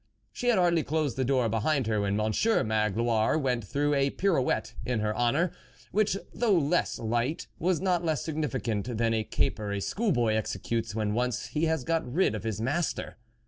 She had hardly closed the door behind her, when Monsieur Magloire went through a pirouette in her honour, which though less light, was not less significant than the caper a school boy executes when once he has got rid of his master.